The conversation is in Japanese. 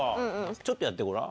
ちょっとやってごらん。